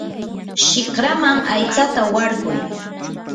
shikraman aytsata warkuy.